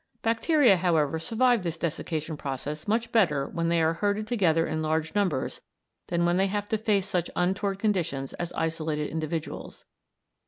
Bacteria, however, survive this desiccation process much better when they are herded together in large numbers than when they have to face such untoward conditions as isolated individuals.